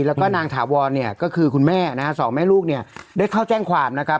แล้วก็นางถาวรเนี่ยก็คือคุณแม่นะฮะสองแม่ลูกเนี่ยได้เข้าแจ้งความนะครับ